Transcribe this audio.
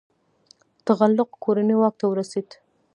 تغلق کورنۍ واک ته ورسیده.